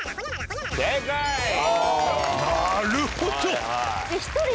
なるほど。